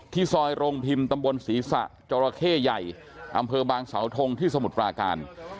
ซอยโรงพิมพ์ตำบลศรีษะจราเข้ใหญ่อำเภอบางสาวทงที่สมุทรปราการ